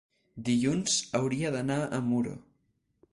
Dilluns hauria d'anar a Muro.